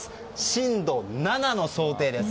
震度７の想定です。